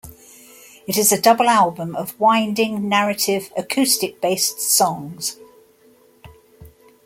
It is a double album of winding, narrative, acoustic-based songs.